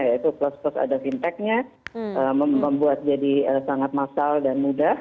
yaitu plus pos ada fintechnya membuat jadi sangat massal dan mudah